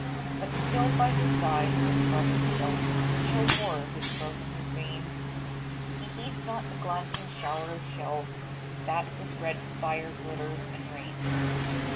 But still by his side his brother kneels, Chill horror has frozen his veins; He heeds not the glancing shower of shells, That with red fire glitters and rains.